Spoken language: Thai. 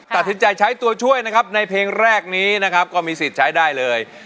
ตัดสินใจใช้ตัวช่วยนะครับในเพลงแรกนี้นะครับก็มีสิทธิ์ใช้ได้เลย